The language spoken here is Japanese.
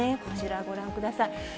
こちら、ご覧ください。